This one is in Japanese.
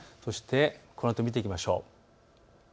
このあとを見ていきましょう。